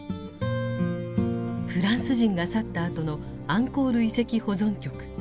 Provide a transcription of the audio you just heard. フランス人が去ったあとのアンコール遺跡保存局。